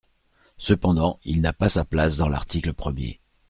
Cependant, il n’a pas sa place dans l’article premier.